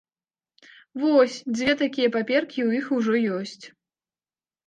Вось, дзве такія паперкі ў іх ужо ёсць.